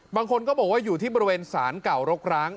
บางคนก็บอกอยู่ที่แรงสานเก่ารกร้าง